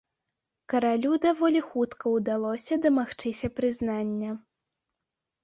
Каралю даволі хутка ўдалося дамагчыся прызнання.